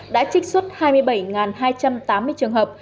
đã trích xuất hai mươi bảy hai trăm tám mươi trường hợp